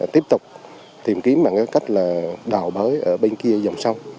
tiếp tục tìm kiếm bằng cái cách là đào bới ở bên kia dòng sông